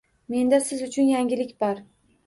Menda siz uchun yangilik bor